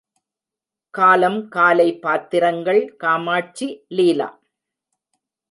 காலம் காலை பாத்திரங்கள் காமாட்சி, லீலா.